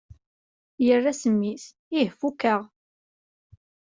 Yerra-as mmi-s: Ih fukeɣ!